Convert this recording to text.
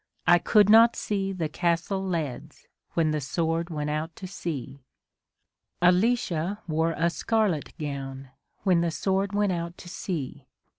I could not see the castle leads, When the Sword went out to sea. A DAY WITH WILLIAM MORRIS. Alicia wore a scarlet gown, When the Sword went out to sea.